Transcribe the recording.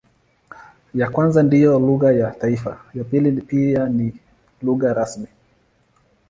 Ya kwanza ndiyo lugha ya taifa, ya pili ni pia lugha rasmi.